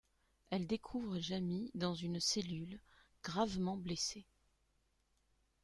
Elle découvre Jamie dans une cellule, gravement blessé.